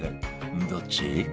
どっち？